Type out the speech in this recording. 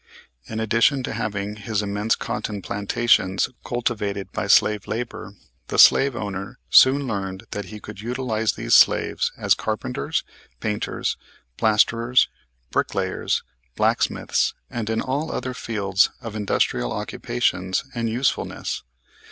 In addition to having his immense cotton plantations cultivated by slave labor, the slave owner soon learned that he could utilize these slaves as carpenters, painters, plasterers, bricklayers, blacksmiths and in all other fields of industrial occupations and usefulness.